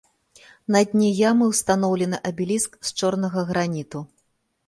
На дне ямы ўстаноўлены абеліск з чорнага граніту.